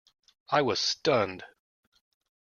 I was stunned.